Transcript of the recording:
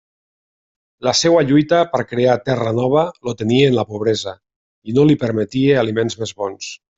La seua lluita per crear terra nova el tenia en la pobresa, i no li permetia aliments més bons.